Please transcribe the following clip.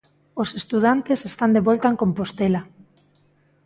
Os estudantes están de volta en Compostela.